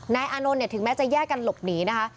นายอะนนท์ถึงแม้จะแยกกันหลบหนีนะคะ